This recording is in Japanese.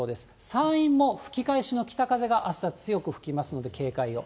山陰も吹き返しの北風があした強く吹きますので、警戒を。